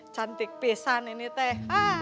cantik pesan ini teh